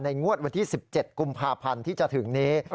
งวดวันที่๑๗กุมภาพันธ์ที่จะถึงนี้